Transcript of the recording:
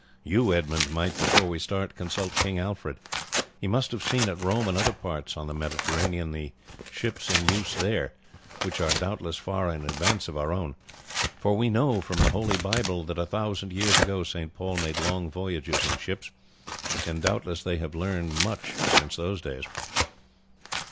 You, Edmund, might, before we start, consult King Alfred. He must have seen at Rome and other ports on the Mediterranean the ships in use there, which are doubtless far in advance of our own. For we know from the Holy Bible that a thousand years ago St. Paul made long voyages in ships, and doubtless they have learned much since those days."